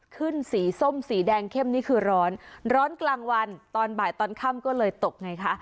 สีส้มสีแดงเข้มนี่คือร้อนร้อนกลางวันตอนบ่ายตอนค่ำก็เลยตกไงคะ